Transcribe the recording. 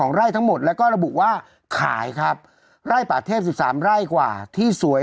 ไร่ทั้งหมดแล้วก็ระบุว่าขายครับไร่ป่าเทพ๑๓ไร่กว่าที่สวย